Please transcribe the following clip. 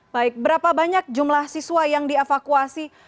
baik berapa banyak jumlah siswa yang dievakuasi